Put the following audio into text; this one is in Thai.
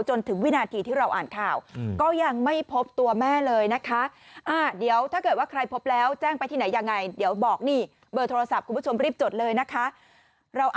จนถึงวินาทีที่เราอ่านข่าวก็ยังไม่พบตัวแม่เลยนะคะ